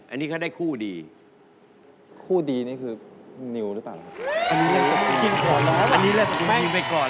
อันนี้ถูกยิงไปก่อน